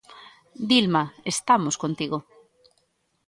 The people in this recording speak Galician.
Dilma, estamos contigo.